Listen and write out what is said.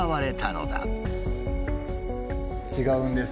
違うんです。